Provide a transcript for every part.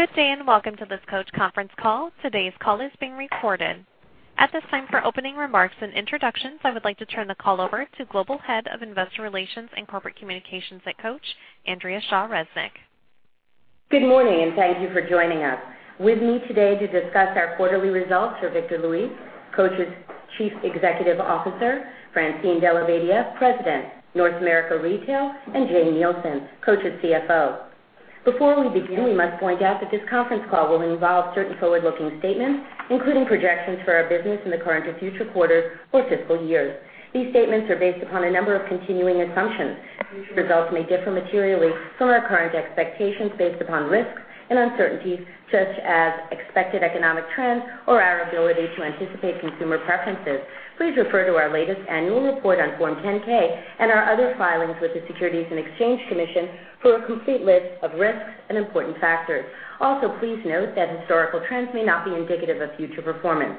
Good day. Welcome to this Coach conference call. Today's call is being recorded. At this time, for opening remarks and introductions, I would like to turn the call over to Global Head of Investor Relations and Corporate Communications at Coach, Andrea Shaw Resnick. Good morning. Thank you for joining us. With me today to discuss our quarterly results are Victor Luis, Coach's Chief Executive Officer, Francine Della Badia, President, North America Retail, and Jane Nielsen, Coach's CFO. Before we begin, we must point out that this conference call will involve certain forward-looking statements, including projections for our business in the current or future quarters or fiscal years. These statements are based upon a number of continuing assumptions. Future results may differ materially from our current expectations based upon risks and uncertainties such as expected economic trends or our ability to anticipate consumer preferences. Please refer to our latest annual report on Form 10-K and our other filings with the Securities and Exchange Commission for a complete list of risks and important factors. Please note that historical trends may not be indicative of future performance.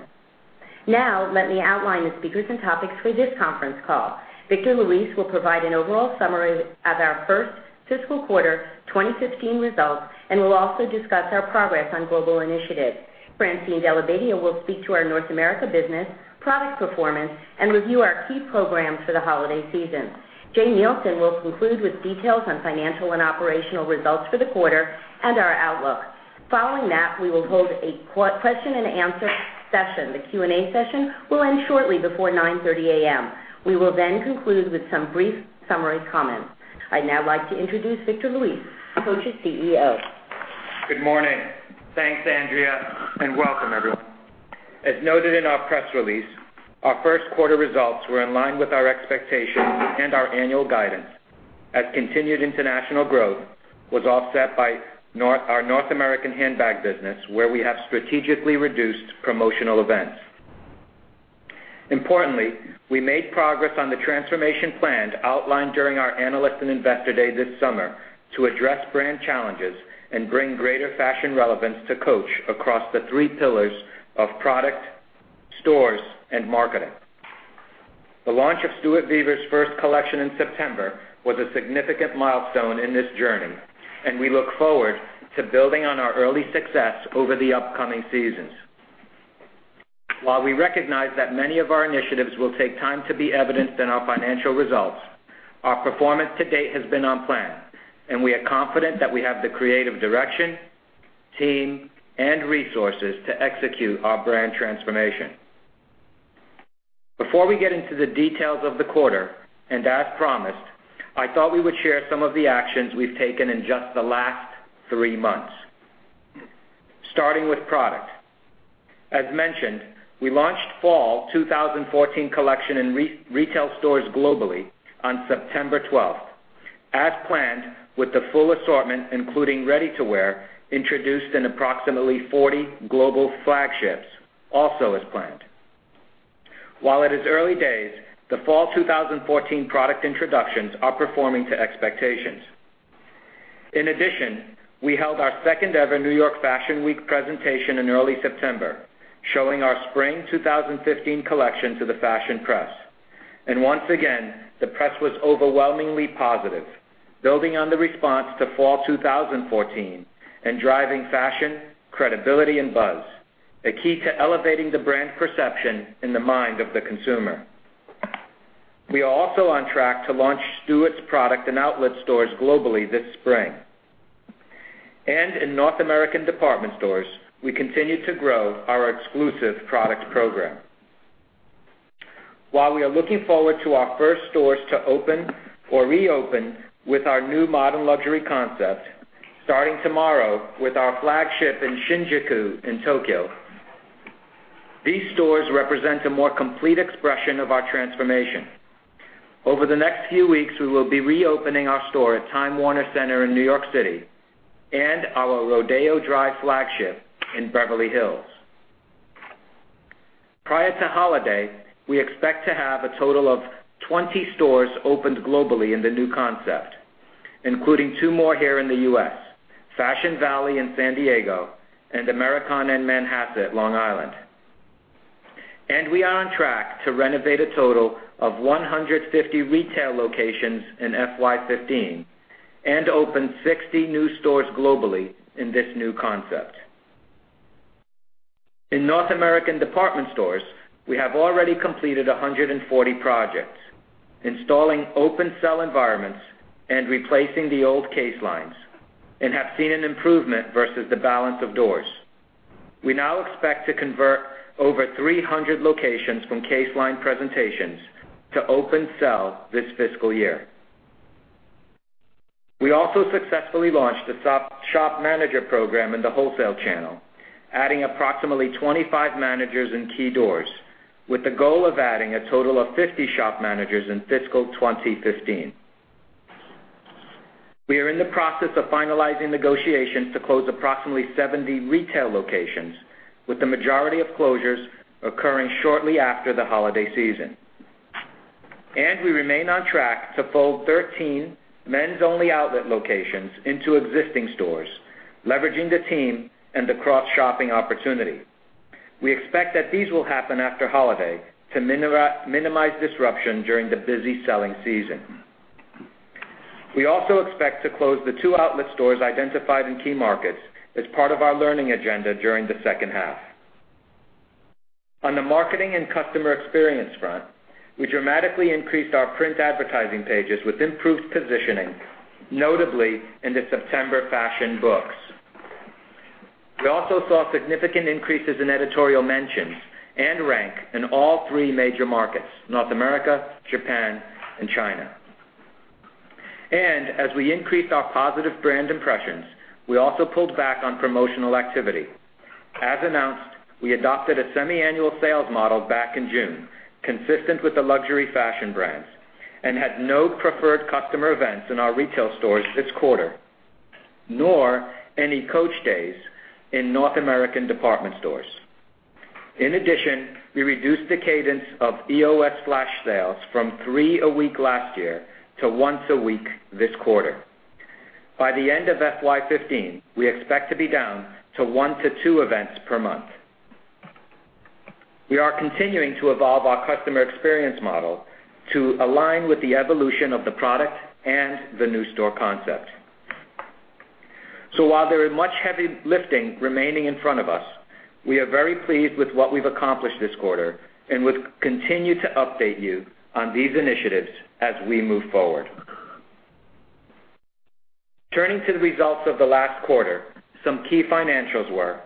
Let me outline the speakers and topics for this conference call. Victor Luis will provide an overall summary of our first fiscal quarter 2015 results and will also discuss our progress on global initiatives. Francine Della Badia will speak to our North America business, product performance, and review our key programs for the holiday season. Jane Nielsen will conclude with details on financial and operational results for the quarter and our outlook. Following that, we will hold a question-and-answer session. The Q&A session will end shortly before 9:30 A.M. We will conclude with some brief summary comments. I'd now like to introduce Victor Luis, Coach's CEO. Good morning. Thanks, Andrea. Welcome, everyone. As noted in our press release, our first quarter results were in line with our expectations and our annual guidance as continued international growth was offset by our North American handbag business, where we have strategically reduced promotional events. Importantly, we made progress on the transformation plan outlined during our Analyst and Investor Day this summer to address brand challenges and bring greater fashion relevance to Coach across the three pillars of product, stores, and marketing. The launch of Stuart Vevers' first collection in September was a significant milestone in this journey, and we look forward to building on our early success over the upcoming seasons. While we recognize that many of our initiatives will take time to be evidenced in our financial results, our performance to date has been on plan, we are confident that we have the creative direction, team, and resources to execute our brand transformation. Before we get into the details of the quarter, as promised, I thought we would share some of the actions we've taken in just the last 3 months. Starting with product. As mentioned, we launched Fall 2014 collection in retail stores globally on September 12th, as planned, with the full assortment, including ready-to-wear, introduced in approximately 40 global flagships, also as planned. While it is early days, the Fall 2014 product introductions are performing to expectations. In addition, we held our second-ever New York Fashion Week presentation in early September, showing our Spring 2015 collection to the fashion press. Once again, the press was overwhelmingly positive, building on the response to Fall 2014 and driving fashion, credibility, and buzz, a key to elevating the brand perception in the mind of the consumer. We are also on track to launch Stuart's product in outlet stores globally this spring. In North American department stores, we continue to grow our exclusive product program. While we are looking forward to our first stores to open or reopen with our new modern luxury concept, starting tomorrow with our flagship in Shinjuku in Tokyo. These stores represent a more complete expression of our transformation. Over the next few weeks, we will be reopening our store at Time Warner Center in New York City and our Rodeo Drive flagship in Beverly Hills. Prior to holiday, we expect to have a total of 20 stores opened globally in the new concept, including 2 more here in the U.S.: Fashion Valley in San Diego and Americana in Manhasset, Long Island. We are on track to renovate a total of 150 retail locations in FY 2015 and open 60 new stores globally in this new concept. In North American department stores, we have already completed 140 projects installing open cell environments and replacing the old case lines and have seen an improvement versus the balance of doors. We now expect to convert over 300 locations from case line presentations to open cell this fiscal year. We also successfully launched a shop manager program in the wholesale channel, adding approximately 25 managers in key doors with the goal of adding a total of 50 shop managers in fiscal 2015. We are in the process of finalizing negotiations to close approximately 70 retail locations, with the majority of closures occurring shortly after the holiday season. We remain on track to fold 13 men's-only outlet locations into existing stores, leveraging the team and the cross-shopping opportunity. We expect that these will happen after holiday to minimize disruption during the busy selling season. We also expect to close the 2 outlet stores identified in key markets as part of our learning agenda during the second half. On the marketing and customer experience front, we dramatically increased our print advertising pages with improved positioning, notably in the September fashion books. We also saw significant increases in editorial mentions and rank in all 3 major markets, North America, Japan, and China. As we increased our positive brand impressions, we also pulled back on promotional activity. As announced, we adopted a semiannual sales model back in June, consistent with the luxury fashion brands, and had no preferred customer events in our retail stores this quarter, nor any Coach days in North American department stores. In addition, we reduced the cadence of EOS flash sales from three a week last year to once a week this quarter. By the end of FY 2015, we expect to be down to one to two events per month. We are continuing to evolve our customer experience model to align with the evolution of the product and the new store concept. While there is much heavy lifting remaining in front of us, we are very pleased with what we've accomplished this quarter and will continue to update you on these initiatives as we move forward. Turning to the results of the last quarter, some key financials were,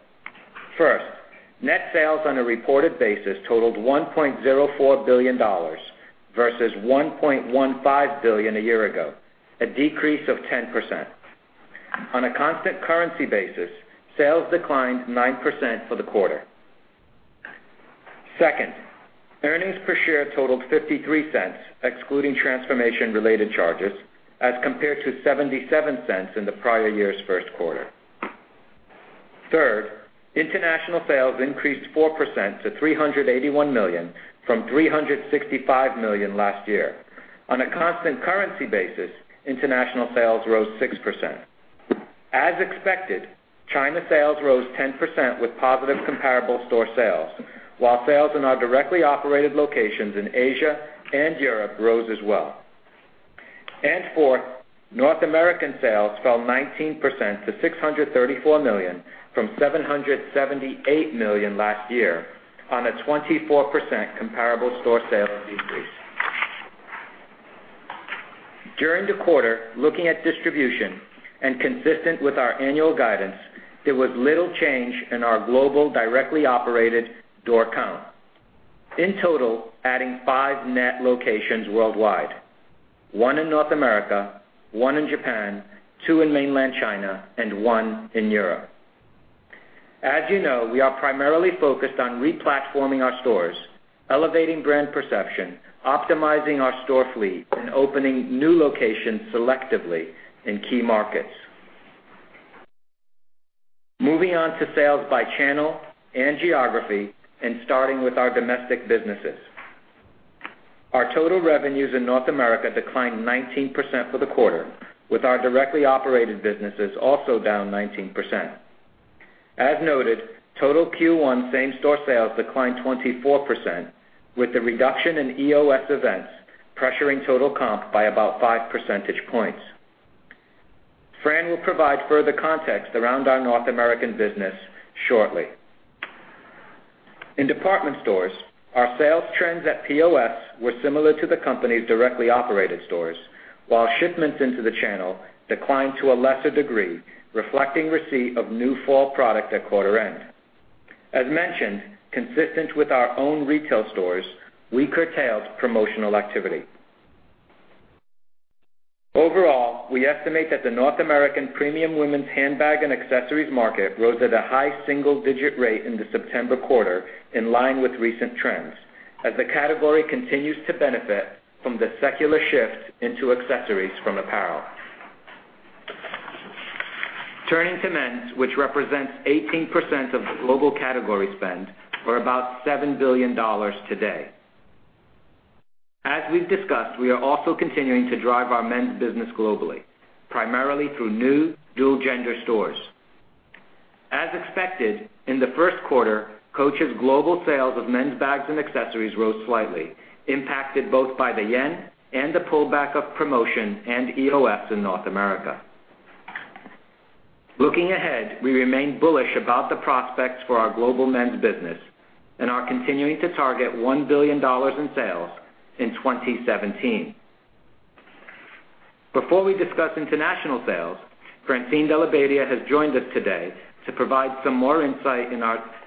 first, net sales on a reported basis totaled $1.04 billion versus $1.15 billion a year ago, a decrease of 10%. On a constant currency basis, sales declined 9% for the quarter. Second, earnings per share totaled $0.53, excluding transformation-related charges, as compared to $0.77 in the prior year's first quarter. Third, international sales increased 4% to $381 million from $365 million last year. On a constant currency basis, international sales rose 6%. As expected, China sales rose 10% with positive comparable store sales, while sales in our directly operated locations in Asia and Europe rose as well. Fourth, North American sales fell 19% to $634 million from $778 million last year on a 24% comparable store sales decrease. During the quarter, looking at distribution and consistent with our annual guidance, there was little change in our global directly operated door count. In total, adding five net locations worldwide, one in North America, one in Japan, two in Mainland China, and one in Europe. As you know, we are primarily focused on re-platforming our stores, elevating brand perception, optimizing our store fleet, and opening new locations selectively in key markets. Moving on to sales by channel and geography and starting with our domestic businesses. Our total revenues in North America declined 19% for the quarter, with our directly operated businesses also down 19%. As noted, total Q1 same-store sales declined 24%, with the reduction in EOS events pressuring total comp by about five percentage points. Fran will provide further context around our North American business shortly. In department stores, our sales trends at POS were similar to the company's directly operated stores, while shipments into the channel declined to a lesser degree, reflecting receipt of new fall product at quarter end. As mentioned, consistent with our own retail stores, we curtailed promotional activity. Overall, we estimate that the North American premium women's handbag and accessories market rose at a high single-digit rate in the September quarter, in line with recent trends, as the category continues to benefit from the secular shift into accessories from apparel. Turning to men's, which represents 18% of the global category spend, or about $7 billion today. As we've discussed, we are also continuing to drive our men's business globally, primarily through new dual-gender stores. As expected, in the first quarter, Coach's global sales of men's bags and accessories rose slightly, impacted both by the yen and the pullback of promotion and EOS in North America. Looking ahead, we remain bullish about the prospects for our global men's business and are continuing to target $1 billion in sales in 2017. Before we discuss international sales, Francine Della Badia has joined us today to provide some more insight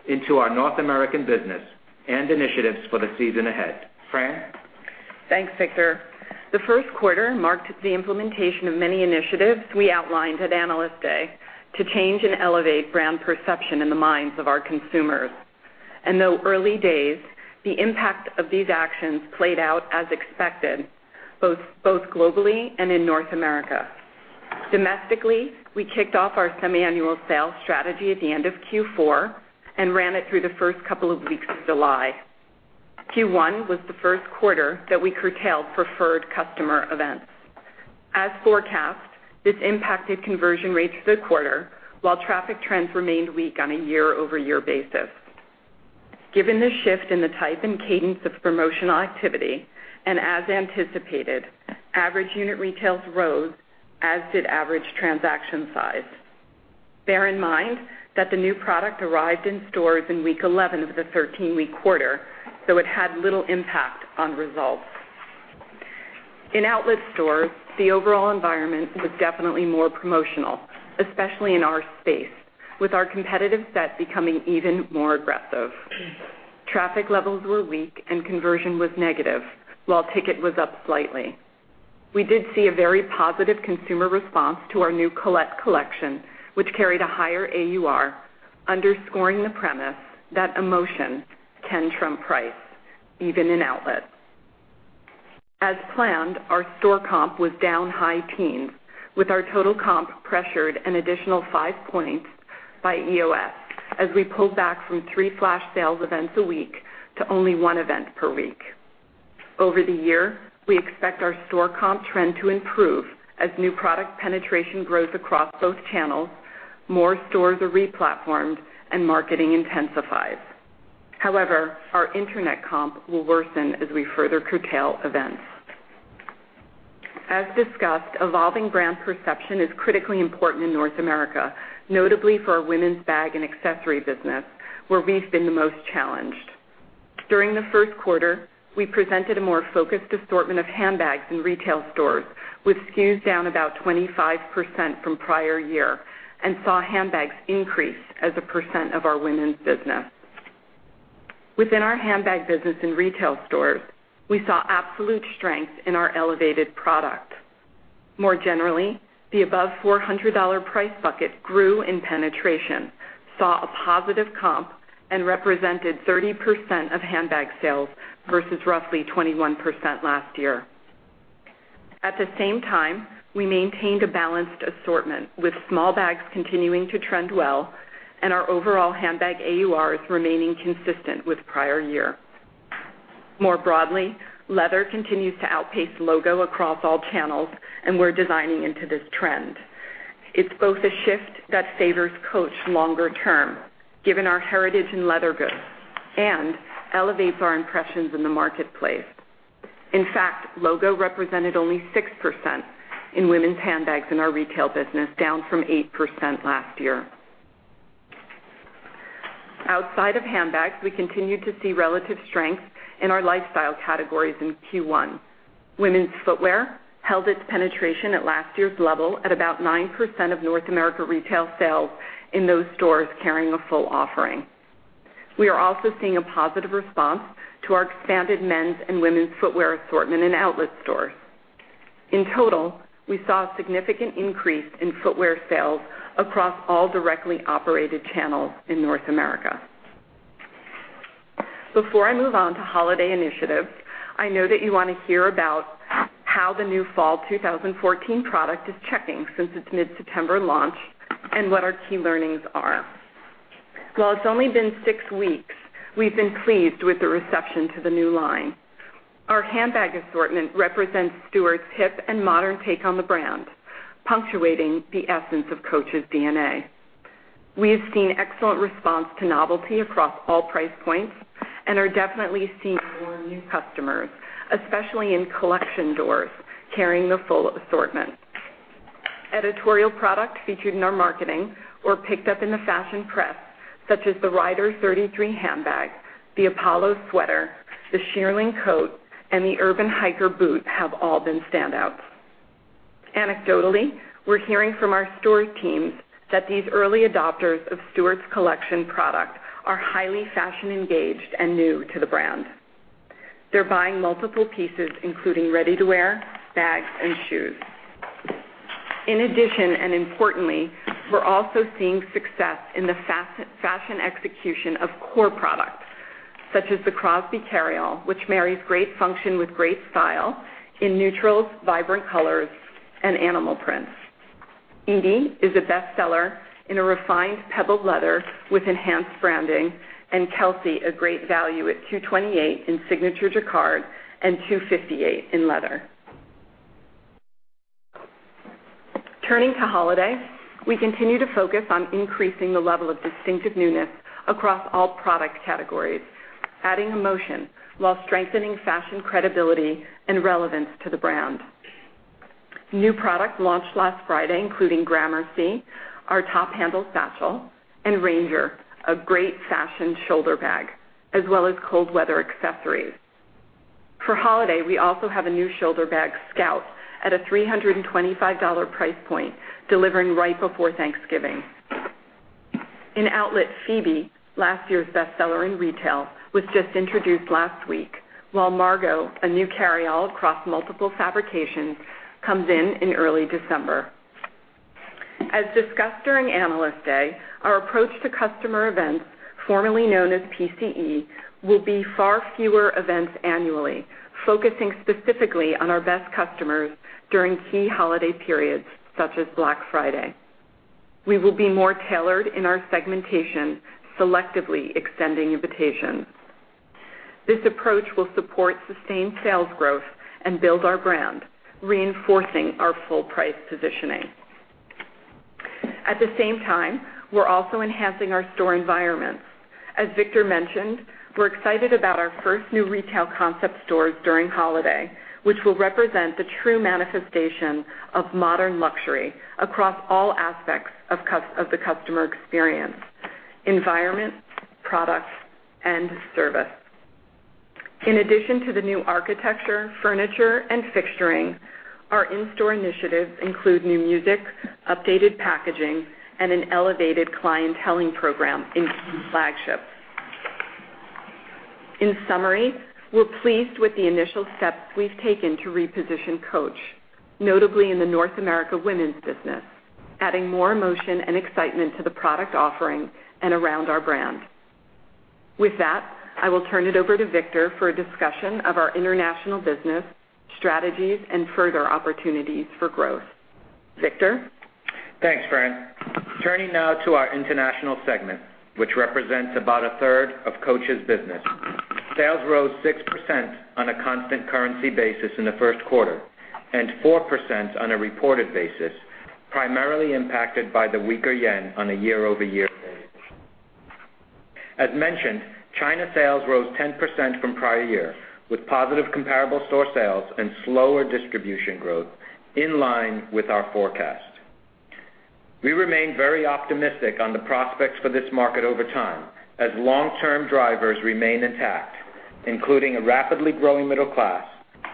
into our North American business and initiatives for the season ahead. Fran? Thanks, Victor. The first quarter marked the implementation of many initiatives we outlined at Analyst Day to change and elevate brand perception in the minds of our consumers. Though early days, the impact of these actions played out as expected, both globally and in North America. Domestically, we kicked off our semiannual sales strategy at the end of Q4 and ran it through the first couple of weeks of July. Q1 was the first quarter that we curtailed preferred customer events. As forecast, this impacted conversion rates for the quarter, while traffic trends remained weak on a year-over-year basis. Given the shift in the type and cadence of promotional activity, as anticipated, average unit retails rose, as did average transaction size. Bear in mind that the new product arrived in stores in week 11 of the 13-week quarter, so it had little impact on results. In outlet stores, the overall environment was definitely more promotional, especially in our space, with our competitive set becoming even more aggressive. Traffic levels were weak and conversion was negative, while ticket was up slightly. We did see a very positive consumer response to our new Colette collection, which carried a higher AUR, underscoring the premise that emotion can trump price, even in outlets. As planned, our store comp was down high teens, with our total comp pressured an additional 5 points by EOS, as we pulled back from 3 flash sales events a week to only 1 event per week. Over the year, we expect our store comp trend to improve as new product penetration grows across both channels, more stores are re-platformed, and marketing intensifies. However, our internet comp will worsen as we further curtail events. As discussed, evolving brand perception is critically important in North America, notably for our women's bag and accessory business, where we've been the most challenged. During the first quarter, we presented a more focused assortment of handbags in retail stores, with SKUs down about 25% from prior year and saw handbags increase as a percent of our women's business. Within our handbag business in retail stores, we saw absolute strength in our elevated product. More generally, the above $400 price bucket grew in penetration, saw a positive comp, and represented 30% of handbag sales versus roughly 21% last year. At the same time, we maintained a balanced assortment, with small bags continuing to trend well and our overall handbag AURs remaining consistent with prior year. More broadly, leather continues to outpace logo across all channels, and we're designing into this trend. It's both a shift that favors Coach longer term, given our heritage in leather goods, and elevates our impressions in the marketplace. In fact, logo represented only 6% in women's handbags in our retail business, down from 8% last year. Outside of handbags, we continued to see relative strength in our lifestyle categories in Q1. Women's footwear held its penetration at last year's level at about 9% of North America retail sales in those stores carrying a full offering. We are also seeing a positive response to our expanded men's and women's footwear assortment in outlet stores. In total, we saw a significant increase in footwear sales across all directly operated channels in North America. Before I move on to holiday initiatives, I know that you want to hear about how the new Fall 2014 product is checking since its mid-September launch and what our key learnings are. While it's only been six weeks, we've been pleased with the reception to the new line. Our handbag assortment represents Stuart's hip and modern take on the brand, punctuating the essence of Coach's DNA. We have seen excellent response to novelty across all price points and are definitely seeing more new customers, especially in collection doors carrying the full assortment. Editorial products featured in our marketing or picked up in the fashion press, such as the Rhyder 33 handbag, the Apollo sweater, the Shearling coat, and the Urban Hiker boot have all been standouts. Anecdotally, we're hearing from our store teams that these early adopters of Stuart's collection product are highly fashion engaged and new to the brand. They're buying multiple pieces, including ready-to-wear, bags, and shoes. Importantly, we're also seeing success in the fashion execution of core products, such as the Crosby carryall, which marries great function with great style in neutrals, vibrant colors, and animal prints. Edie is a bestseller in a refined pebbled leather with enhanced branding, and Kelsey, a great value at $228 in signature jacquard and $258 in leather. Turning to holiday, we continue to focus on increasing the level of distinctive newness across all product categories, adding emotion while strengthening fashion credibility and relevance to the brand. New product launched last Friday, including Gramercy, our top-handle satchel, and Ranger, a great fashion shoulder bag, as well as cold weather accessories. For holiday, we also have a new shoulder bag, Scout, at a $325 price point, delivering right before Thanksgiving. In outlet, Phoebe, last year's bestseller in retail, was just introduced last week, while Margot, a new carryall across multiple fabrications, comes in in early December. As discussed during Analyst Day, our approach to customer events, formerly known as PCE, will be far fewer events annually, focusing specifically on our best customers during key holiday periods, such as Black Friday. We will be more tailored in our segmentation, selectively extending invitations. This approach will support sustained sales growth and build our brand, reinforcing our full price positioning. At the same time, we're also enhancing our store environments. As Victor mentioned, we're excited about our first new retail concept stores during holiday, which will represent the true manifestation of modern luxury across all aspects of the customer experience, environment, products, and service. In addition to the new architecture, furniture, and fixturing, our in-store initiatives include new music, updated packaging, and an elevated clienteling program in flagships. In summary, we're pleased with the initial steps we've taken to reposition Coach, notably in the North America women's business, adding more emotion and excitement to the product offering and around our brand. With that, I will turn it over to Victor for a discussion of our international business, strategies, and further opportunities for growth. Victor? Thanks, Fran. Turning now to our international segment, which represents about a third of Coach's business. Sales rose 6% on a constant currency basis in the first quarter, and 4% on a reported basis, primarily impacted by the weaker yen on a year-over-year basis. As mentioned, China sales rose 10% from prior year, with positive comparable store sales and slower distribution growth in line with our forecast. We remain very optimistic on the prospects for this market over time, as long-term drivers remain intact, including a rapidly growing middle class,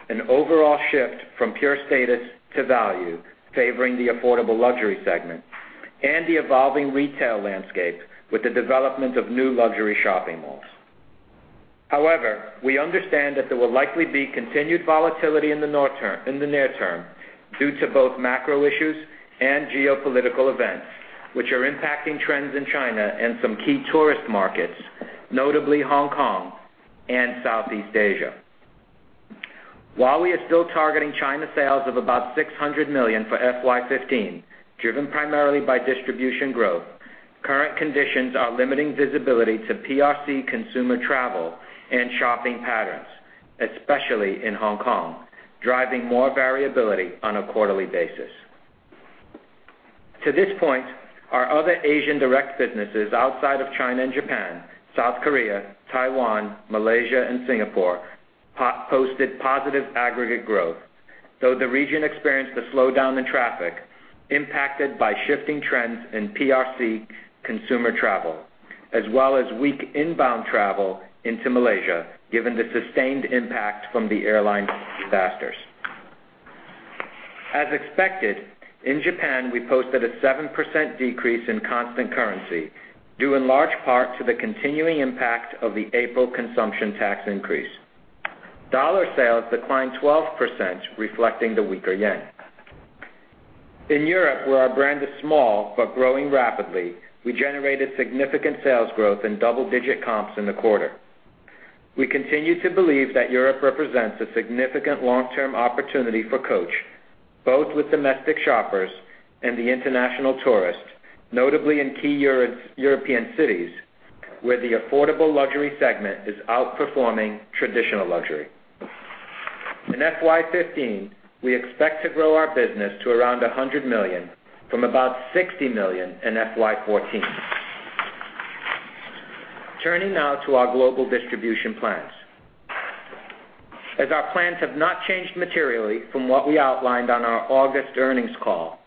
an overall shift from pure status to value, favoring the affordable luxury segment, and the evolving retail landscape with the development of new luxury shopping malls. We understand that there will likely be continued volatility in the near term due to both macro issues and geopolitical events, which are impacting trends in China and some key tourist markets, notably Hong Kong and Southeast Asia. While we are still targeting China sales of about $600 million for FY 2015, driven primarily by distribution growth, current conditions are limiting visibility to PRC consumer travel and shopping patterns, especially in Hong Kong, driving more variability on a quarterly basis. To this point, our other Asian direct businesses outside of China and Japan, South Korea, Taiwan, Malaysia, and Singapore, posted positive aggregate growth, though the region experienced a slowdown in traffic impacted by shifting trends in PRC consumer travel, as well as weak inbound travel into Malaysia, given the sustained impact from the airline disasters. As expected, in Japan, we posted a 7% decrease in constant currency due in large part to the continuing impact of the April consumption tax increase. Dollar sales declined 12%, reflecting the weaker yen. In Europe, where our brand is small but growing rapidly, we generated significant sales growth and double-digit comps in the quarter. We continue to believe that Europe represents a significant long-term opportunity for Coach, both with domestic shoppers and the international tourists, notably in key European cities where the affordable luxury segment is outperforming traditional luxury. In FY 2015, we expect to grow our business to around $100 million from about $60 million in FY 2014. Turning now to our global distribution plans. As our plans have not changed materially from what we outlined on our August earnings call,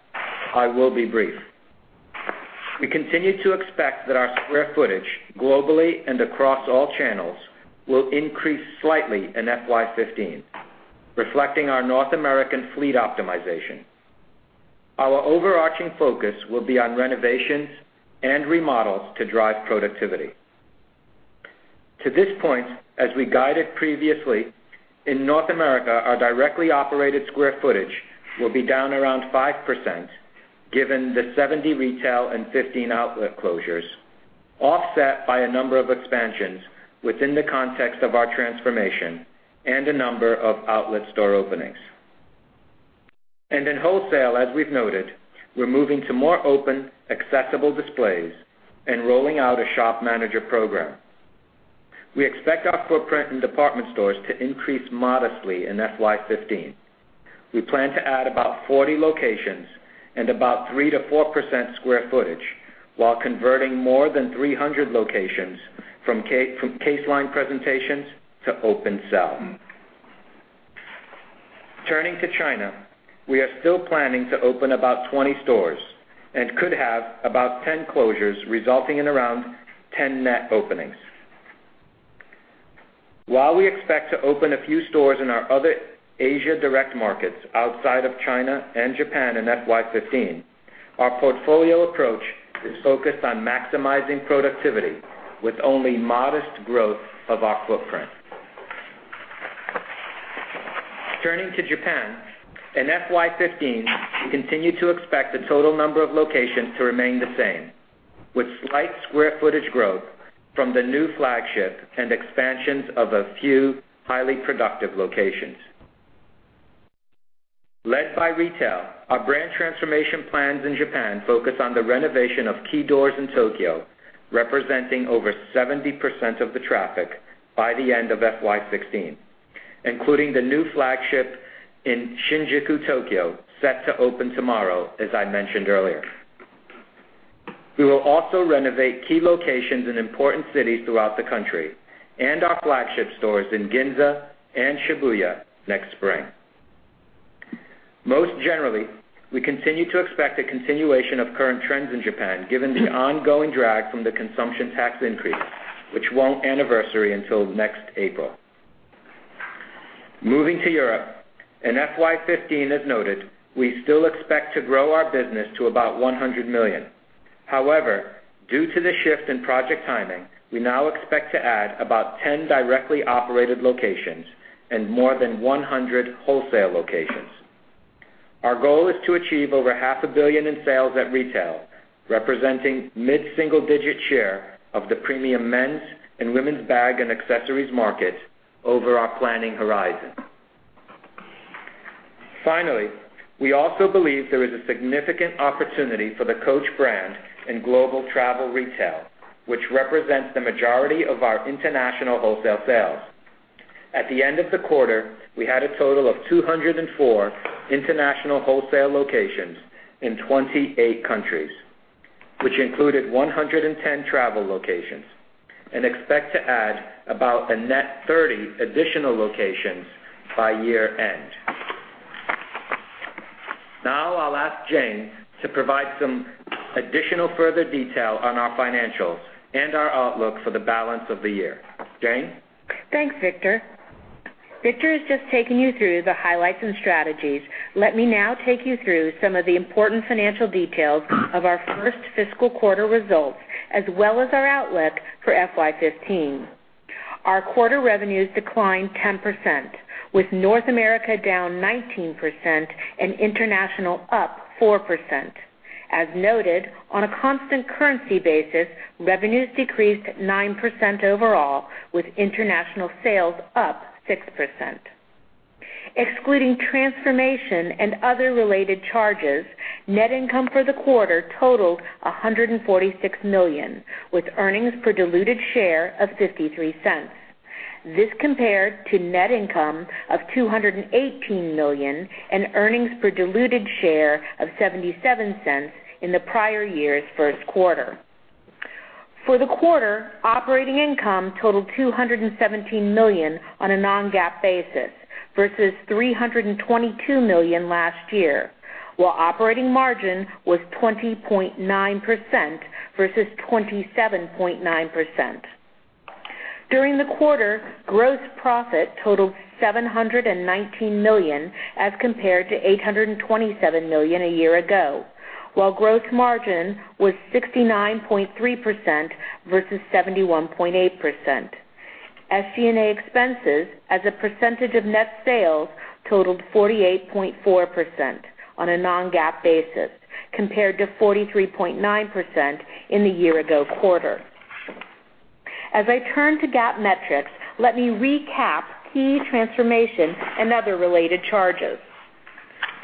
I will be brief. We continue to expect that our square footage globally and across all channels will increase slightly in FY 2015, reflecting our North American fleet optimization. Our overarching focus will be on renovations and remodels to drive productivity. To this point, as we guided previously, in North America, our directly operated square footage will be down around 5%, given the 70 retail and 15 outlet closures, offset by a number of expansions within the context of our transformation and a number of outlet store openings. In wholesale, as we've noted, we're moving to more open, accessible displays and rolling out a shop manager program. We expect our footprint in department stores to increase modestly in FY 2015. We plan to add about 40 locations and about 3%-4% square footage while converting more than 300 locations from caseline presentations to open cell. Turning to China, we are still planning to open about 20 stores and could have about 10 closures, resulting in around 10 net openings. While we expect to open a few stores in our other Asia direct markets outside of China and Japan in FY 2015, our portfolio approach is focused on maximizing productivity with only modest growth of our footprint. Turning to Japan, in FY 2015, we continue to expect the total number of locations to remain the same, with slight square footage growth from the new flagship and expansions of a few highly productive locations. Led by retail, our brand transformation plans in Japan focus on the renovation of key doors in Tokyo, representing over 70% of the traffic by the end of FY 2016, including the new flagship in Shinjuku, Tokyo, set to open tomorrow, as I mentioned earlier. We will also renovate key locations in important cities throughout the country and our flagship stores in Ginza and Shibuya next spring. Most generally, we continue to expect a continuation of current trends in Japan, given the ongoing drag from the consumption tax increase, which won't anniversary until next April. Moving to Europe, in FY 2015, as noted, we still expect to grow our business to about $100 million. However, due to the shift in project timing, we now expect to add about 10 directly operated locations and more than 100 wholesale locations. Our goal is to achieve over half a billion in sales at retail, representing mid-single-digit share of the premium men's and women's bag and accessories market over our planning horizon. Finally, we also believe there is a significant opportunity for the Coach brand in global travel retail, which represents the majority of our international wholesale sales. At the end of the quarter, we had a total of 204 international wholesale locations in 28 countries, which included 110 travel locations, and expect to add about a net 30 additional locations by year-end. I'll ask Jane to provide some additional further detail on our financials and our outlook for the balance of the year. Jane? Thanks, Victor. Victor has just taken you through the highlights and strategies. Let me now take you through some of the important financial details of our first fiscal quarter results, as well as our outlook for FY 2015. Our quarter revenues declined 10%, with North America down 19% and international up 4%. As noted, on a constant currency basis, revenues decreased 9% overall, with international sales up 6%. Excluding transformation and other related charges, net income for the quarter totaled $146 million, with earnings per diluted share of $0.53. This compared to net income of $218 million and earnings per diluted share of $0.77 in the prior year's first quarter. For the quarter, operating income totaled $217 million on a non-GAAP basis versus $322 million last year, while operating margin was 20.9% versus 27.9%. During the quarter, gross profit totaled $719 million as compared to $827 million a year ago, while gross margin was 69.3% versus 71.8%. SG&A expenses as a percentage of net sales totaled 48.4% on a non-GAAP basis, compared to 43.9% in the year-ago quarter. As I turn to GAAP metrics, let me recap key transformations and other related charges.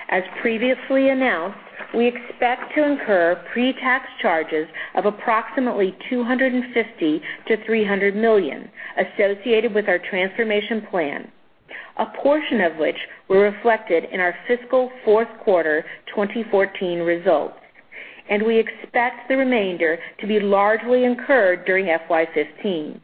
As previously announced, we expect to incur pre-tax charges of approximately $250 million-$300 million associated with our transformation plan, a portion of which were reflected in our fiscal fourth quarter 2014 results, and we expect the remainder to be largely incurred during FY 2015.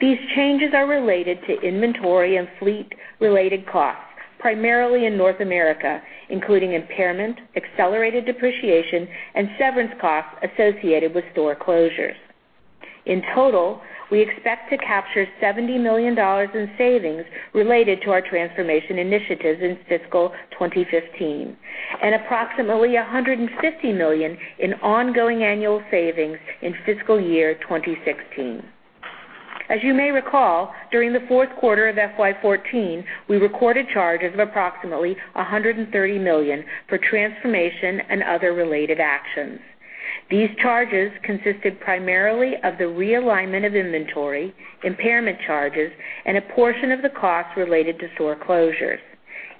These changes are related to inventory and fleet-related costs, primarily in North America, including impairment, accelerated depreciation, and severance costs associated with store closures. In total, we expect to capture $70 million in savings related to our transformation initiatives in fiscal 2015 and approximately $150 million in ongoing annual savings in fiscal year 2016. As you may recall, during the fourth quarter of FY 2014, we recorded charges of approximately $130 million for transformation and other related actions. These charges consisted primarily of the realignment of inventory, impairment charges, and a portion of the costs related to store closures.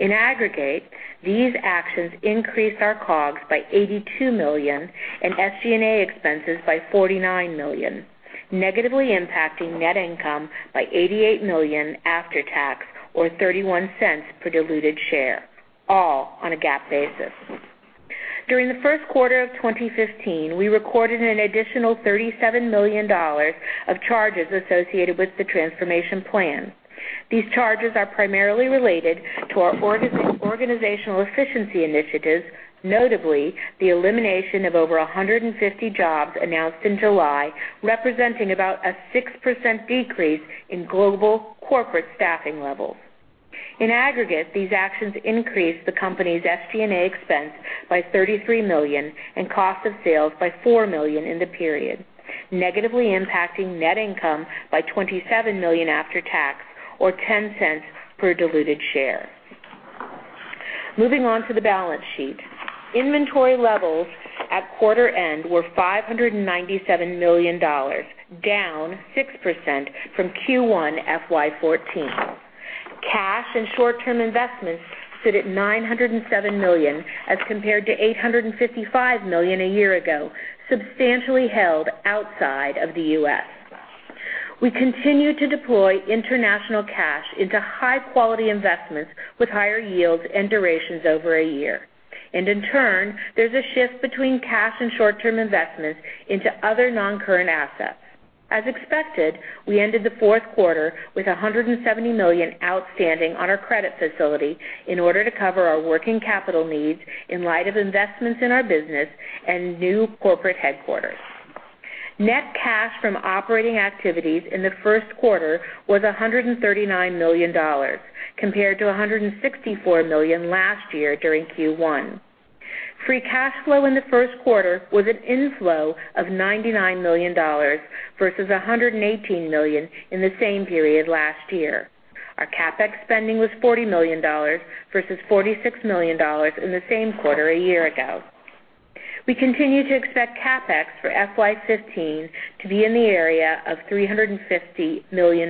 In aggregate, these actions increased our COGS by $82 million and SG&A expenses by $49 million, negatively impacting net income by $88 million after tax or $0.31 per diluted share, all on a GAAP basis. During the first quarter of 2015, we recorded an additional $37 million of charges associated with the transformation plan. These charges are primarily related to our organizational efficiency initiatives, notably the elimination of over 150 jobs announced in July, representing about a 6% decrease in global corporate staffing levels. In aggregate, these actions increased the company's SG&A expense by $33 million and cost of sales by $4 million in the period, negatively impacting net income by $27 million after tax or $0.10 per diluted share. Moving on to the balance sheet. Inventory levels at quarter end were $597 million, down 6% from Q1 FY 2014. Cash and short-term investments sit at $907 million as compared to $855 million a year ago, substantially held outside of the U.S. We continue to deploy international cash into high-quality investments with higher yields and durations over a year. In turn, there's a shift between cash and short-term investments into other non-current assets. As expected, we ended the fourth quarter with $170 million outstanding on our credit facility in order to cover our working capital needs in light of investments in our business and new corporate headquarters. Net cash from operating activities in the first quarter was $139 million, compared to $164 million last year during Q1. Free cash flow in the first quarter was an inflow of $99 million versus $118 million in the same period last year. Our CapEx spending was $40 million versus $46 million in the same quarter a year ago. We continue to expect CapEx for FY 2015 to be in the area of $350 million,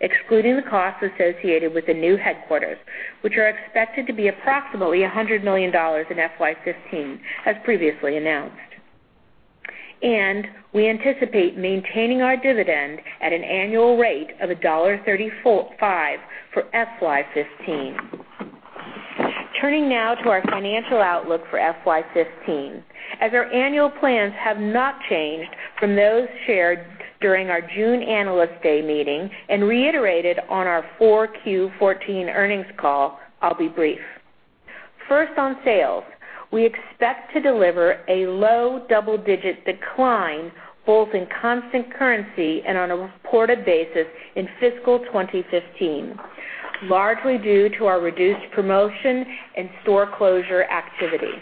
excluding the costs associated with the new headquarters, which are expected to be approximately $100 million in FY 2015, as previously announced. We anticipate maintaining our dividend at an annual rate of $1.35 for FY 2015. Turning now to our financial outlook for FY 2015. As our annual plans have not changed from those shared during our June Analyst Day meeting and reiterated on our 4Q 2014 earnings call, I'll be brief. First, on sales, we expect to deliver a low double-digit decline both in constant currency and on a reported basis in fiscal 2015, largely due to our reduced promotion and store closure activity.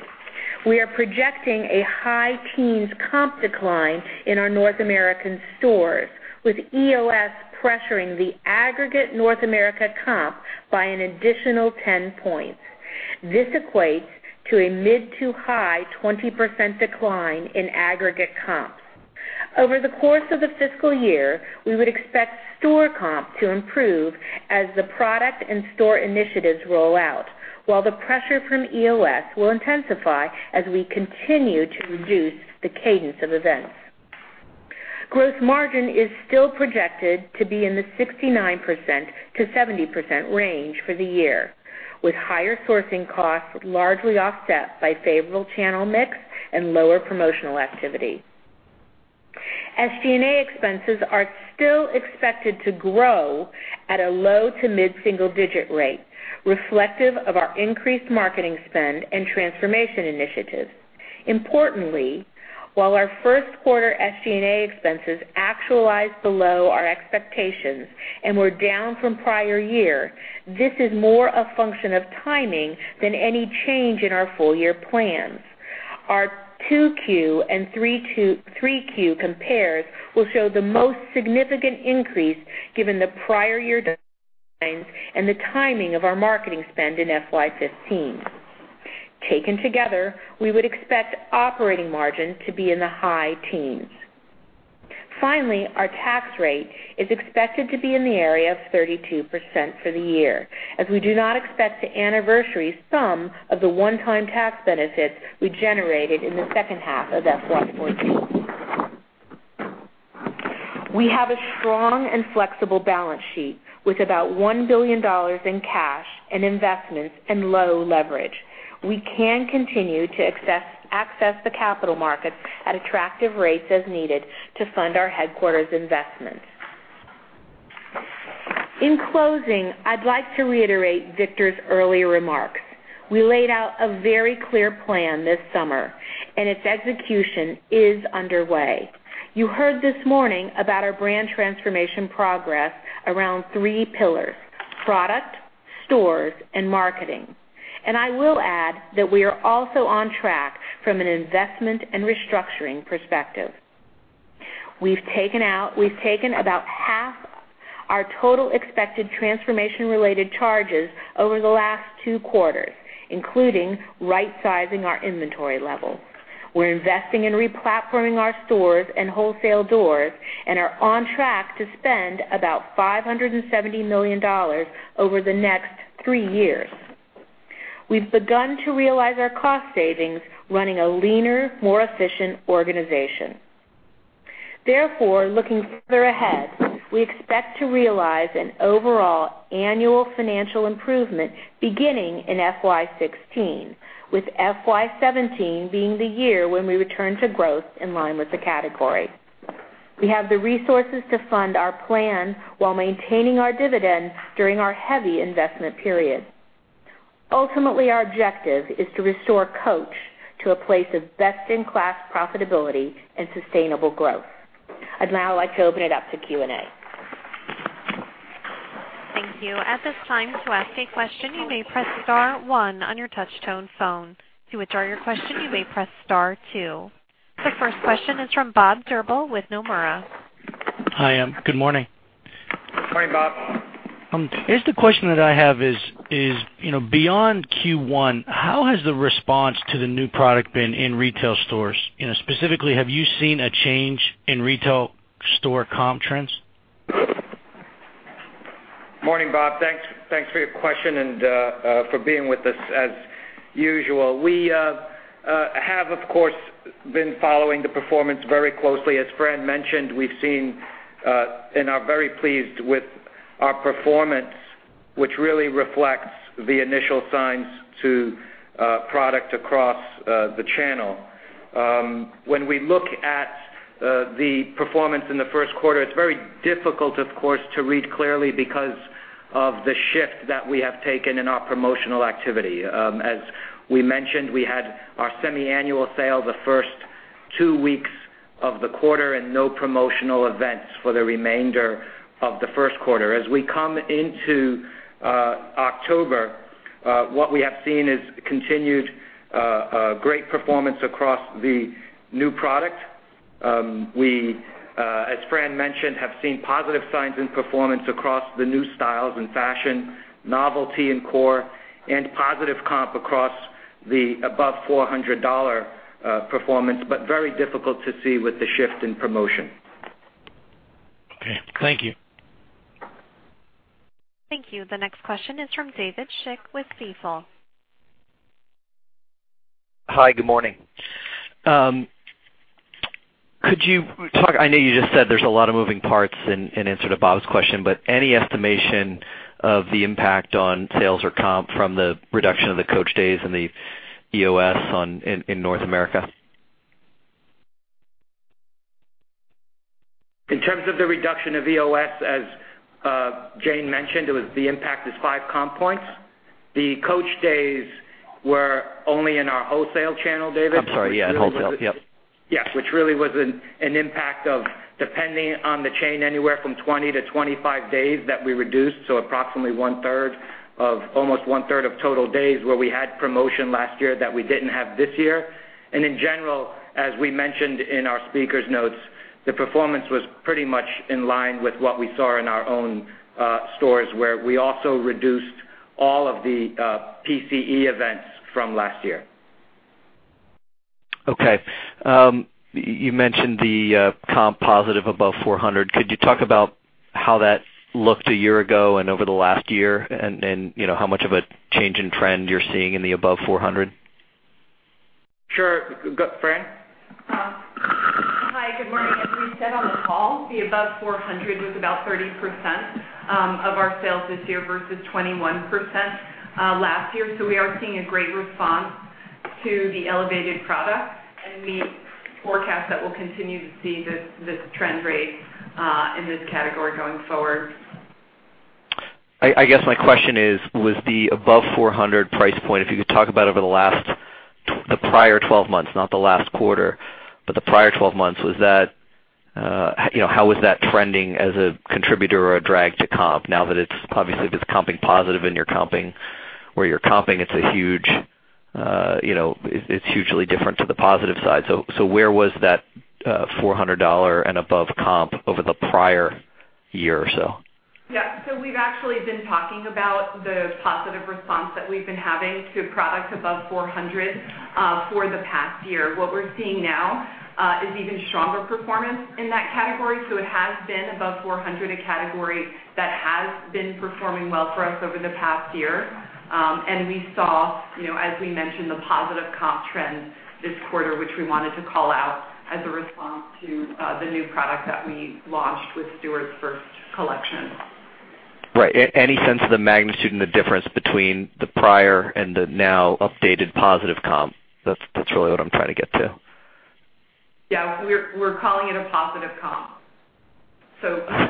We are projecting a high teens comp decline in our North American stores, with EOS pressuring the aggregate North America comp by an additional 10 points. This equates to a mid-to-high 20% decline in aggregate comps. Over the course of the fiscal year, we would expect store comp to improve as the product and store initiatives roll out, while the pressure from EOS will intensify as we continue to reduce the cadence of events. Gross margin is still projected to be in the 69%-70% range for the year, with higher sourcing costs largely offset by favorable channel mix and lower promotional activity. SG&A expenses are still expected to grow at a low to mid-single digit rate, reflective of our increased marketing spend and transformation initiatives. Importantly, while our first quarter SG&A expenses actualized below our expectations and were down from prior year, this is more a function of timing than any change in our full-year plans. Our 2Q and 3Q compares will show the most significant increase given the prior year declines and the timing of our marketing spend in FY 2015. Taken together, we would expect operating margin to be in the high teens. Finally, our tax rate is expected to be in the area of 32% for the year, as we do not expect to anniversary some of the one-time tax benefits we generated in the second half of FY 2014. We have a strong and flexible balance sheet with about $1 billion in cash and investments and low leverage. We can continue to access the capital markets at attractive rates as needed to fund our headquarters investments. In closing, I'd like to reiterate Victor's earlier remarks. We laid out a very clear plan this summer, its execution is underway. You heard this morning about our brand transformation progress around three pillars, product, stores, and marketing. I will add that we are also on track from an investment and restructuring perspective. We've taken about half our total expected transformation-related charges over the last two quarters, including right-sizing our inventory levels. We're investing in re-platforming our stores and wholesale doors and are on track to spend about $570 million over the next three years. We've begun to realize our cost savings, running a leaner, more efficient organization. Therefore, looking further ahead, we expect to realize an overall annual financial improvement beginning in FY16, with FY17 being the year when we return to growth in line with the category. We have the resources to fund our plan while maintaining our dividends during our heavy investment period. Ultimately, our objective is to restore Coach to a place of best-in-class profitability and sustainable growth. I'd now like to open it up to Q&A. Thank you. At this time, to ask a question, you may press star one on your touch-tone phone. To withdraw your question, you may press star two. The first question is from Bob Drbul with Nomura. Hi, good morning. Morning, Bob. Here's the question that I have is, beyond Q1, how has the response to the new product been in retail stores? Specifically, have you seen a change in retail store comp trends? Morning, Bob. Thanks for your question and for being with us as usual. We have, of course, been following the performance very closely. As Fran mentioned, we've seen and are very pleased with our performance, which really reflects the initial signs to product across the channel. When we look at the performance in the first quarter, it's very difficult, of course, to read clearly because of the shift that we have taken in our promotional activity. As we mentioned, we had our semi-annual sale the first two weeks of the quarter and no promotional events for the remainder of the first quarter. As we come into October, what we have seen is continued great performance across the new product. We, as Fran mentioned, have seen positive signs in performance across the new styles in fashion, novelty and core, and positive comp across the above $400 performance, but very difficult to see with the shift in promotion. Okay. Thank you. Thank you. The next question is from David Schick with Stifel. Hi, good morning. I know you just said there's a lot of moving parts in answer to Bob's question, but any estimation of the impact on sales or comp from the reduction of the Coach days and the EOS in North America? In terms of the reduction of EOS, as Jane mentioned, the impact is five comp points. The Coach days were only in our wholesale channel, David. I'm sorry. Yeah, wholesale. Yep. Yeah. Which really was an impact of, depending on the chain, anywhere from 20 to 25 days that we reduced to approximately one-third of almost one-third of total days where we had promotion last year that we didn't have this year. In general, as we mentioned in our speaker's notes, the performance was pretty much in line with what we saw in our own stores, where we also reduced all of the PCE events from last year. Okay. You mentioned the comp positive above 400. Could you talk about how that looked a year ago and over the last year, and how much of a change in trend you're seeing in the above 400? Sure. Fran? Hi, good morning. As we said on the call, the above 400 was about 30% of our sales this year versus 21% last year. We are seeing a great response to the elevated product, and we forecast that we'll continue to see this trend rate in this category going forward. I guess my question is, was the above 400 price point, if you could talk about over the prior 12 months, not the last quarter, but the prior 12 months. How was that trending as a contributor or a drag to comp now that it's obviously just comping positive and where you're comping, it's hugely different to the positive side. Where was that $400 and above comp over the prior year or so? Yeah. We've actually been talking about the positive response that we've been having to products above 400 for the past year. What we're seeing now is even stronger performance in that category. It has been above 400, a category that has been performing well for us over the past year. We saw, as we mentioned, the positive comp trend this quarter, which we wanted to call out as a response to the new product that we launched with Stuart's first collection. Right. Any sense of the magnitude and the difference between the prior and the now updated positive comp? That's really what I'm trying to get to. Yeah. We're calling it a positive comp.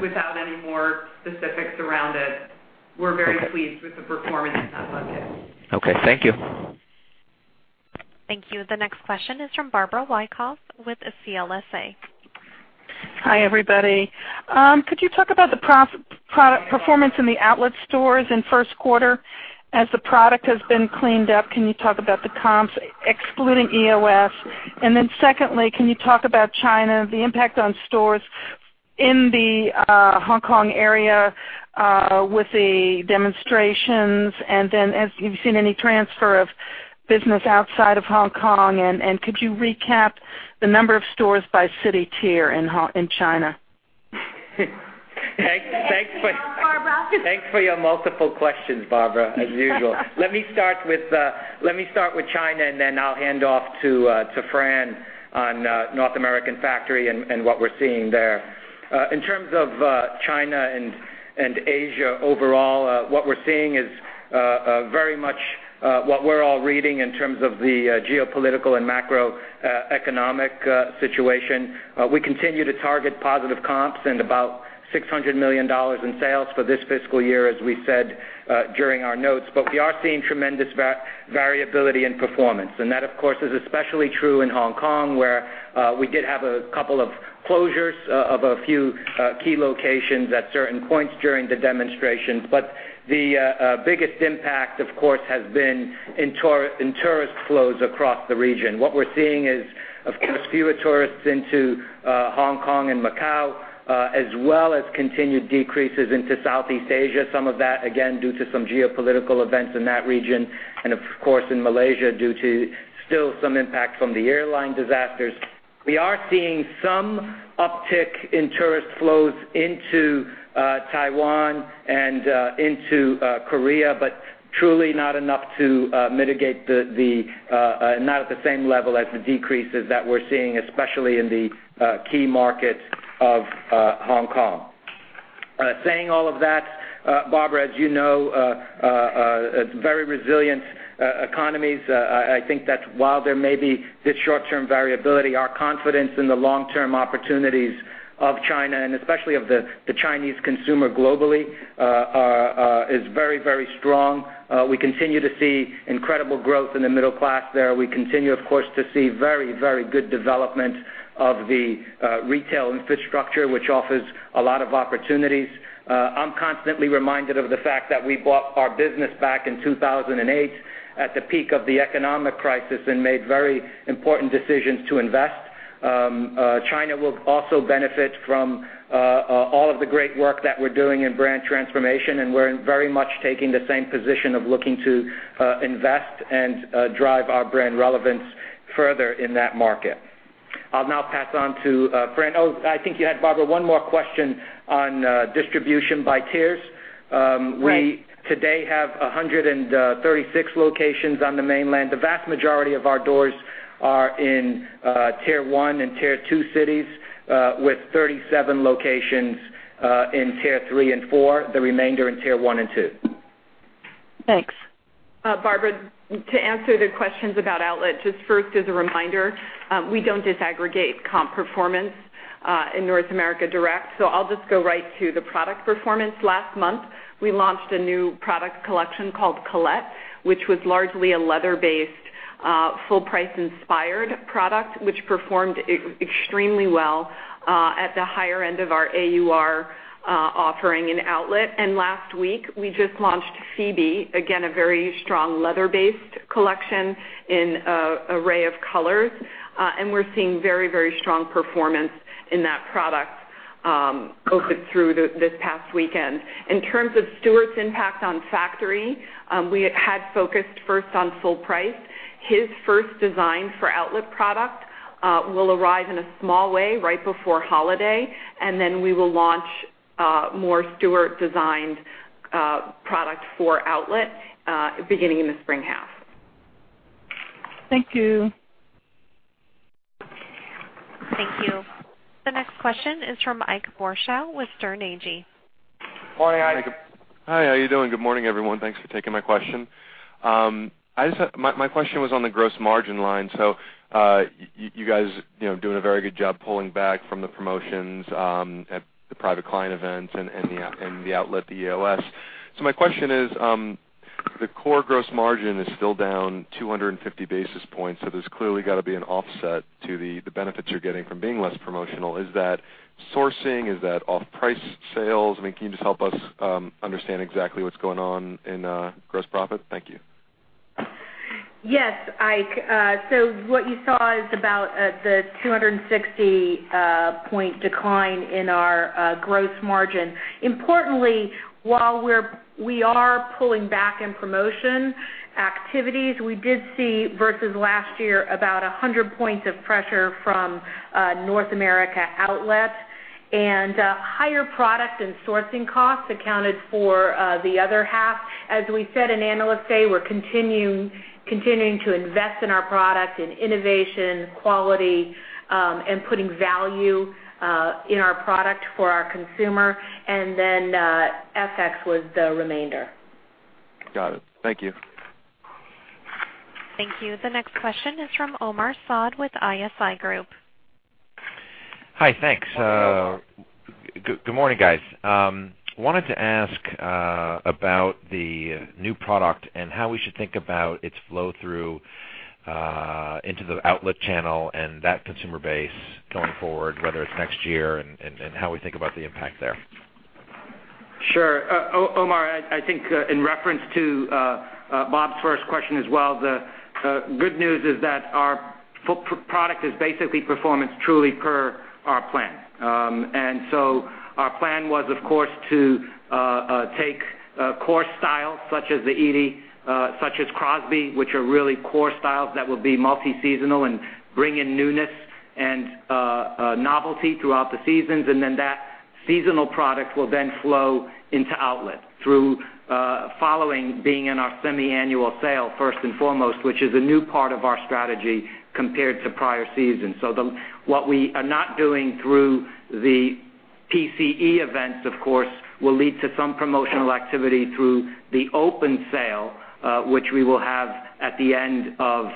Without any more specifics around it, we're very pleased with the performance in that bucket. Okay. Thank you. Thank you. The next question is from Barbara Wyckoff with CLSA. Hi, everybody. Could you talk about the performance in the outlet stores in first quarter as the product has been cleaned up? Can you talk about the comps excluding EOS? Secondly, can you talk about China, the impact on stores in the Hong Kong area with the demonstrations, and then have you seen any transfer of business outside of Hong Kong, and could you recap the number of stores by city tier in China? Thanks for-. Barbara. Thanks for your multiple questions, Barbara, as usual. Let me start with China, and then I'll hand off to Fran on North American factory and what we're seeing there. In terms of China and Asia overall, what we're seeing is very much what we're all reading in terms of the geopolitical and macroeconomic situation. We continue to target positive comps and about $600 million in sales for this fiscal year, as we said during our notes. We are seeing tremendous variability in performance. That, of course, is especially true in Hong Kong, where we did have a couple of closures of a few key locations at certain points during the demonstrations. The biggest impact, of course, has been in tourist flows across the region. What we're seeing is, of course, fewer tourists into Hong Kong and Macau, as well as continued decreases into Southeast Asia. Some of that, again, due to some geopolitical events in that region, and of course, in Malaysia, due to still some impact from the airline disasters. We are seeing some uptick in tourist flows into Taiwan and into Korea, but truly not at the same level as the decreases that we're seeing, especially in the key markets of Hong Kong. Saying all of that, Barbara, as you know, it's very resilient economies. I think that while there may be this short-term variability, our confidence in the long-term opportunities of China, and especially of the Chinese consumer globally, is very strong. We continue to see incredible growth in the middle class there. We continue, of course, to see very good development of the retail infrastructure, which offers a lot of opportunities. I'm constantly reminded of the fact that we bought our business back in 2008 at the peak of the economic crisis and made very important decisions to invest. China will also benefit from all of the great work that we're doing in brand transformation, and we're very much taking the same position of looking to invest and drive our brand relevance further in that market. I'll now pass on to Fran. Oh, I think you had, Barbara, one more question on distribution by tiers. Right. We today have 136 locations on the mainland. The vast majority of our doors are in Tier 1 and Tier 2 cities, with 37 locations in Tier 3 and 4, the remainder in Tier 1 and 2. Thanks. Barbara, to answer the questions about outlet, just first as a reminder, we don't disaggregate comp performance in North America direct, so I'll just go right to the product performance. Last month, we launched a new product collection called Colette, which was largely a leather-based, full-price inspired product, which performed extremely well at the higher end of our AUR offering in outlet. Last week, we just launched Phoebe, again, a very strong leather-based collection in an array of colors. We're seeing very strong performance in that product opened through this past weekend. In terms of Stuart's impact on factory, we had focused first on full price. His first design for outlet product will arrive in a small way right before holiday, then we will launch more Stuart-designed product for outlet beginning in the spring half. Thank you. Thank you. The next question is from Ike Boruchow with Sterne Agee. Morning, Ike. Hi, how are you doing? Good morning, everyone. Thanks for taking my question. My question was on the gross margin line. You guys doing a very good job pulling back from the promotions at the private client events and the outlet, the EOS. My question is, the core gross margin is still down 250 basis points, there's clearly got to be an offset to the benefits you're getting from being less promotional. Is that sourcing? Is that off-price sales? Can you just help us understand exactly what's going on in gross profit? Thank you. Yes, Ike. What you saw is about the 260-point decline in our gross margin. Importantly, while we are pulling back in promotion activities, we did see, versus last year, about 100 points of pressure from North America outlet, and higher product and sourcing costs accounted for the other half. As we said in Analyst Day, we're continuing to invest in our product, in innovation, quality, and putting value in our product for our consumer. FX was the remainder. Got it. Thank you. Thank you. The next question is from Omar Saad with ISI Group. Hi, thanks. Good morning, guys. I wanted to ask about the new product and how we should think about its flow-through into the outlet channel and that consumer base going forward, whether it's next year and how we think about the impact there. Sure. Omar, I think in reference to Bob's first question as well, the good news is that our product is basically performance truly per our plan. Our plan was, of course, to take core styles such as the Edie, such as Crosby, which are really core styles that will be multi-seasonal and bring in newness and novelty throughout the seasons. That seasonal product will then flow into outlet through following being in our semi-annual sale first and foremost, which is a new part of our strategy compared to prior seasons. What we are not doing through the PCE events, of course, will lead to some promotional activity through the open sale, which we will have at the end of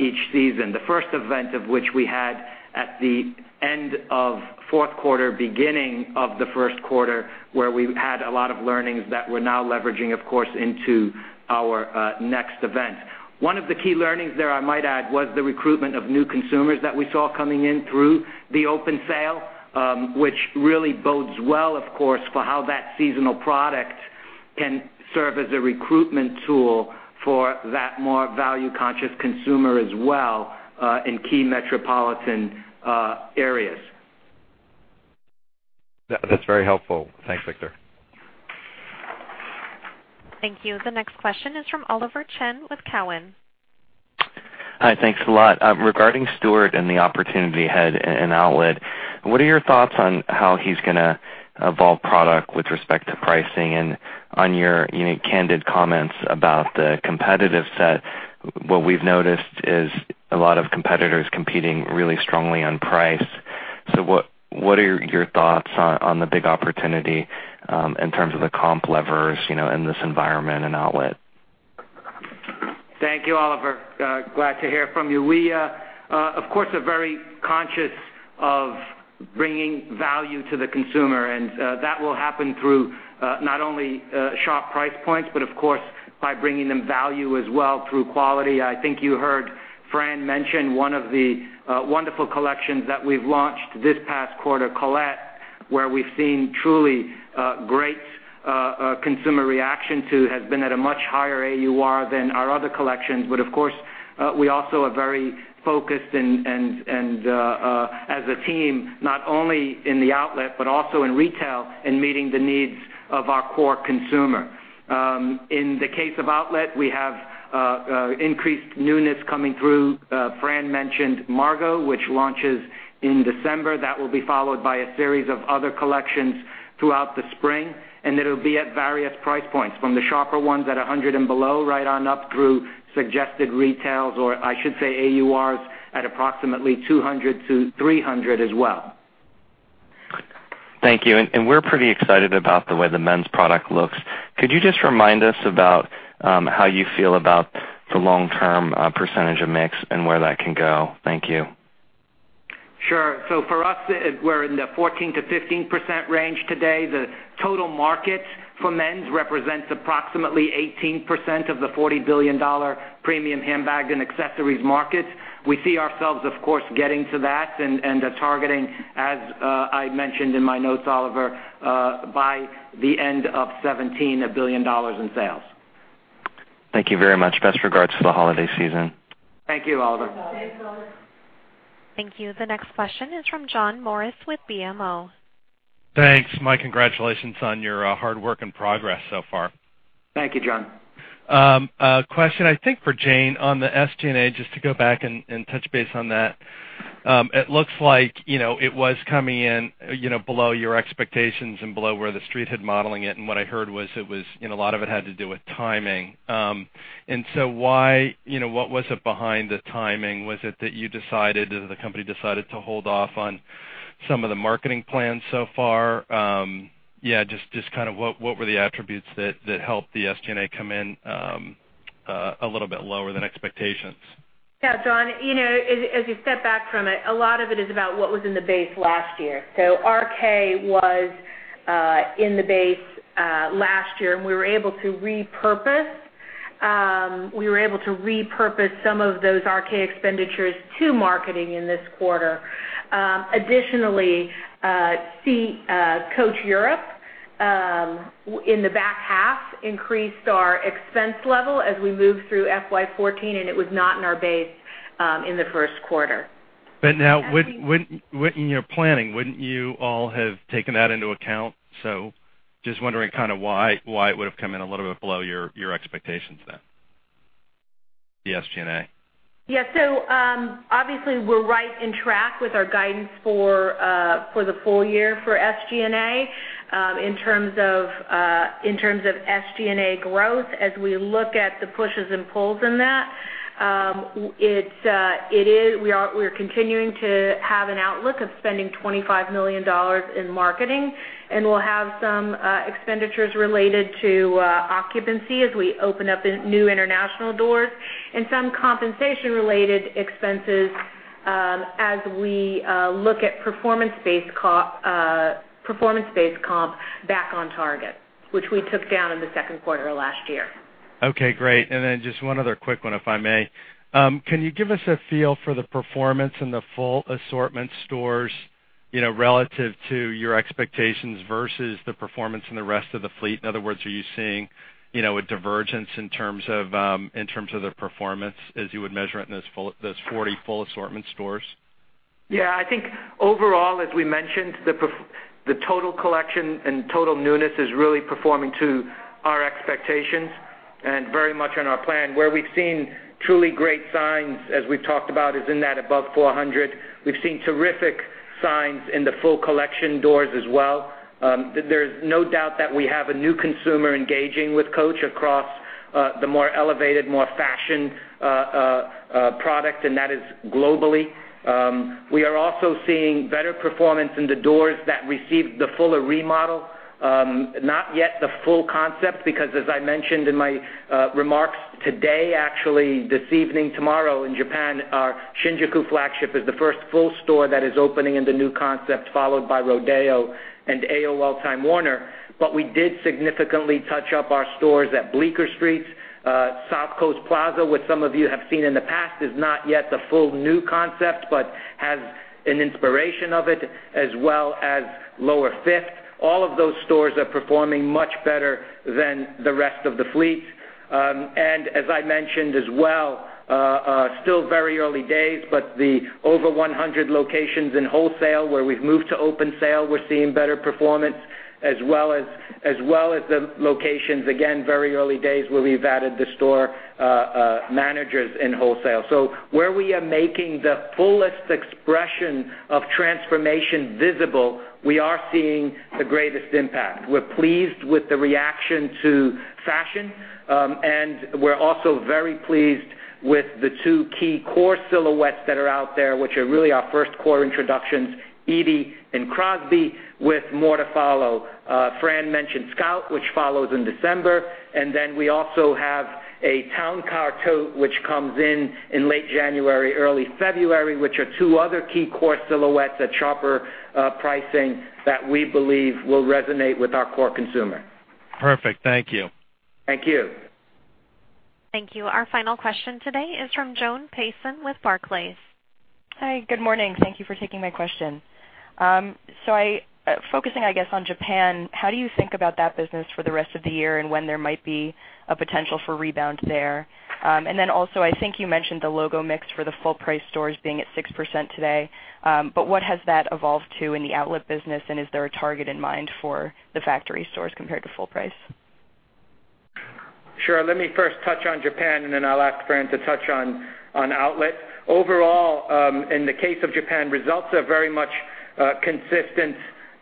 each season. The first event of which we had at the end of fourth quarter, beginning of the first quarter, where we had a lot of learnings that we're now leveraging, of course, into our next event. One of the key learnings there, I might add, was the recruitment of new consumers that we saw coming in through the open sale, which really bodes well, of course, for how that seasonal product can serve as a recruitment tool for that more value-conscious consumer as well in key metropolitan areas. That's very helpful. Thanks, Victor. Thank you. The next question is from Oliver Chen with Cowen. Hi, thanks a lot. Regarding Stuart and the opportunity he had in outlet, what are your thoughts on how he's going to evolve product with respect to pricing and on your candid comments about the competitive set? What we've noticed is a lot of competitors competing really strongly on price. What are your thoughts on the big opportunity, in terms of the comp levers, in this environment and outlet? Thank you, Oliver. Glad to hear from you. We, of course, are very conscious of bringing value to the consumer, and that will happen through not only sharp price points, but of course, by bringing them value as well through quality. I think you heard Fran mention one of the wonderful collections that we've launched this past quarter, Colette, where we've seen truly great consumer reaction to has been at a much higher AUR than our other collections. Of course, we also are very focused as a team, not only in the outlet, but also in retail and meeting the needs of our core consumer. In the case of outlet, we have increased newness coming through. Fran mentioned Margot, which launches in December. That will be followed by a series of other collections throughout the spring, and it'll be at various price points from the sharper ones at $100 and below, right on up through suggested retails, or I should say AURs at approximately $200-$300 as well. Thank you. We're pretty excited about the way the men's product looks. Could you just remind us about how you feel about the long-term percentage of mix and where that can go? Thank you. Sure. For us, we're in the 14%-15% range today. The total market for men's represents approximately 18% of the $40 billion premium handbags and accessories markets. We see ourselves, of course, getting to that and targeting, as I mentioned in my notes, Oliver, by the end of 17, $1 billion in sales. Thank you very much. Best regards for the holiday season. Thank you, Oliver. Thank you. The next question is from John Morris with BMO. Thanks. My congratulations on your hard work and progress so far. Thank you, John. A question, I think for Jane, on the SG&A, just to go back and touch base on that. It looks like it was coming in below your expectations and below where The Street had modeling it. What I heard was a lot of it had to do with timing. What was it behind the timing? Was it that the company decided to hold off on some of the marketing plans so far? Just what were the attributes that helped the SG&A come in a little bit lower than expectations? John. As you step back from it, a lot of it is about what was in the base last year. RK was in the base last year, and we were able to repurpose some of those RK expenditures to marketing in this quarter. Additionally, Coach Europe, in the back half, increased our expense level as we moved through FY14. It was not in our base in the first quarter. Now in your planning, wouldn't you all have taken that into account? Just wondering why it would have come in a little bit below your expectations then. The SG&A. Obviously, we're right in track with our guidance for the full year for SG&A. In terms of SG&A growth, as we look at the pushes and pulls in that, we're continuing to have an outlook of spending $25 million in marketing. We'll have some expenditures related to occupancy as we open up new international doors and some compensation related expenses as we look at performance-based comp back on target, which we took down in the second quarter of last year. Great. Just one other quick one, if I may. Can you give us a feel for the performance in the full assortment stores, relative to your expectations versus the performance in the rest of the fleet? In other words, are you seeing a divergence in terms of the performance as you would measure it in those 40 full assortment stores? I think overall, as we mentioned, the total collection and total newness is really performing to our expectations and very much in our plan. Where we've seen truly great signs, as we've talked about, is in that above $400. We've seen terrific signs in the full collection doors as well. There's no doubt that we have a new consumer engaging with Coach across the more elevated, more fashion product, and that is globally. We are also seeing better performance in the doors that received the fuller remodel. Not yet the full concept, because as I mentioned in my remarks today, actually this evening, tomorrow in Japan, our Shinjuku flagship is the first full store that is opening in the new concept, followed by Rodeo and Time Warner Center. We did significantly touch up our stores at Bleecker Street, South Coast Plaza, which some of you have seen in the past, is not yet the full new concept but has an inspiration of it, as well as Lower Fifth. All of those stores are performing much better than the rest of the fleet. As I mentioned as well, still very early days, the over 100 locations in wholesale where we've moved to open sale, we're seeing better performance, as well as the locations, again, very early days, where we've added the store managers in wholesale. Where we are making the fullest expression of transformation visible, we are seeing the greatest impact. We're pleased with the reaction to fashion. We're also very pleased with the two key core silhouettes that are out there, which are really our first core introductions, Edie and Crosby, with more to follow. Fran mentioned Scout, which follows in December. We also have a Turnlock tote, which comes in in late January, early February, which are two other key core silhouettes at sharper pricing that we believe will resonate with our core consumer. Perfect. Thank you. Thank you. Thank you. Our final question today is from Joan Payson with Barclays. Hi. Good morning. Thank you for taking my question. Focusing, I guess, on Japan, how do you think about that business for the rest of the year and when there might be a potential for rebound there? Also, I think you mentioned the logo mix for the full price stores being at 6% today. What has that evolved to in the outlet business? Is there a target in mind for the factory stores compared to full price? Sure. Let me first touch on Japan. I'll ask Fran to touch on outlet. Overall, in the case of Japan, results are very much consistent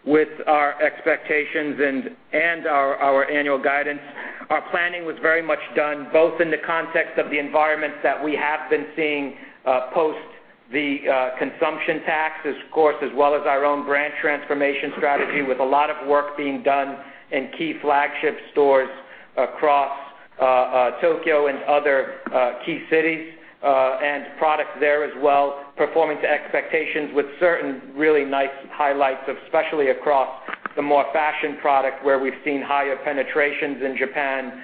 with our expectations and our annual guidance. Our planning was very much done, both in the context of the environments that we have been seeing post the consumption tax, of course, as well as our own brand transformation strategy, with a lot of work being done in key flagship stores across Tokyo and other key cities. Product there as well, performing to expectations with certain really nice highlights, especially across the more fashion product, where we've seen higher penetrations in Japan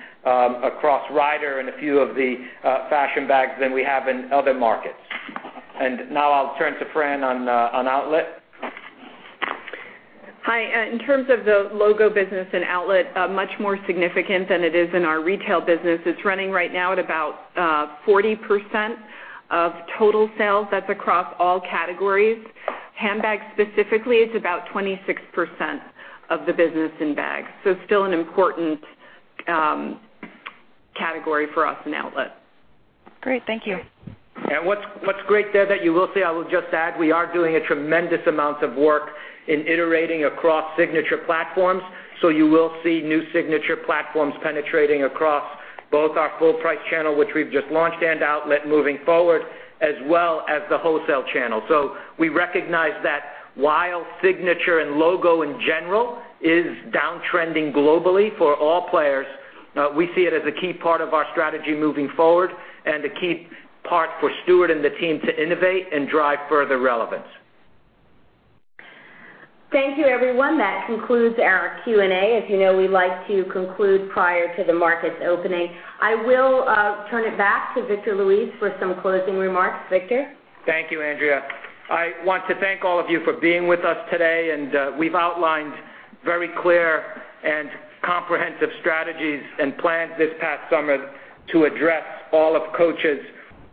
across Rhyder and a few of the fashion bags than we have in other markets. Now I'll turn to Fran on outlet. Hi. In terms of the logo business in outlet, much more significant than it is in our retail business. It's running right now at about 40% of total sales. That's across all categories. Handbags specifically, it's about 26% of the business in bags. Still an important category for us in outlet. Great. Thank you. What's great there that you will see, I will just add, we are doing a tremendous amount of work in iterating across signature platforms. You will see new signature platforms penetrating across both our full price channel, which we've just launched, and outlet moving forward, as well as the wholesale channel. We recognize that while signature and logo, in general, is downtrending globally for all players, we see it as a key part of our strategy moving forward and a key part for Stuart and the team to innovate and drive further relevance. Thank you, everyone. That concludes our Q&A. As you know, we like to conclude prior to the market's opening. I will turn it back to Victor Luis for some closing remarks. Victor? Thank you, Andrea. I want to thank all of you for being with us today. We've outlined very clear and comprehensive strategies and plans this past summer to address all of Coach's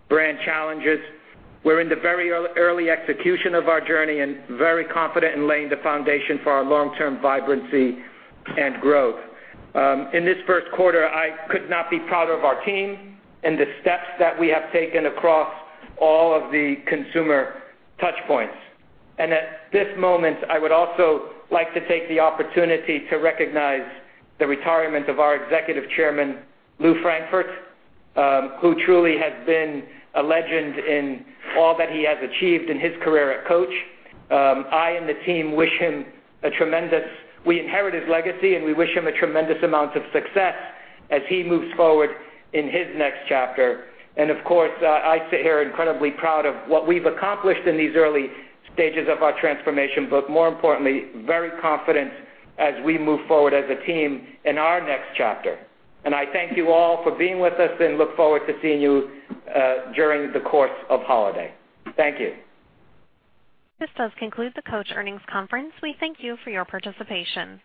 brand challenges. We're in the very early execution of our journey and very confident in laying the foundation for our long-term vibrancy and growth. In this first quarter, I could not be prouder of our team and the steps that we have taken across all of the consumer touchpoints. At this moment, I would also like to take the opportunity to recognize the retirement of our Executive Chairman, Lew Frankfort, who truly has been a legend in all that he has achieved in his career at Coach. We inherit his legacy, and we wish him a tremendous amount of success as he moves forward in his next chapter. Of course, I sit here incredibly proud of what we've accomplished in these early stages of our transformation, but more importantly, very confident as we move forward as a team in our next chapter. I thank you all for being with us and look forward to seeing you during the course of holiday. Thank you. This does conclude the Coach earnings conference. We thank you for your participation.